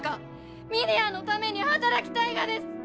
峰屋のために働きたいがです！